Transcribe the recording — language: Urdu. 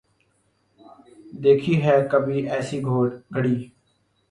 دیکھی ہے کبھی ایسی گھڑی